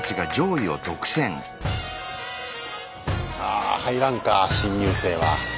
あ入らんか新入生は。